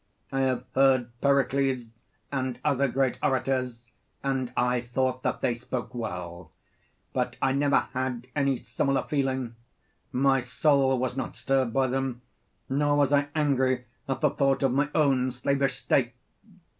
I have heard Pericles and other great orators, and I thought that they spoke well, but I never had any similar feeling; my soul was not stirred by them, nor was I angry at the thought of my own slavish state.